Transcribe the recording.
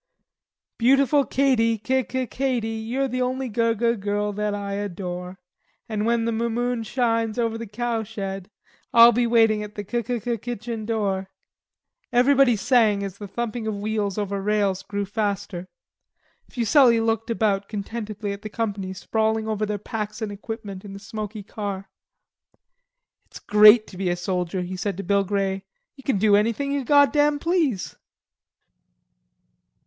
"Beautiful Katy, Ki Ki Katy, You're the only gugugu girl that I adore; And when the mo moon shines Over the cowshed, I'll be waiting at the ki ki ki kitchen door." Everybody sang as the thumping of wheels over rails grew faster. Fuselli looked about contentedly at the company sprawling over their packs and equipment in the smoky car. "It's great to be a soldier," he said to Bill Grey. "Ye kin do anything ye goddam please."